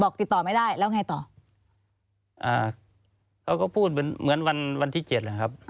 เขาก็พูดเหมือนวันที่๗แหละครับ